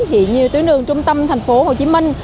hiện nhiều tuyến đường trung tâm thành phố hồ chí minh